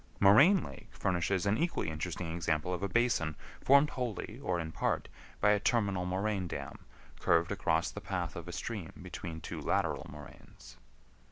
Moraine Lake furnishes an equally interesting example of a basin formed wholly, or in part, by a terminal moraine dam curved across the path of a stream between two lateral moraines.